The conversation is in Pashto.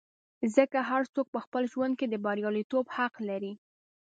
ځکه هر څوک په خپل ژوند کې د بریالیتوب حق لري.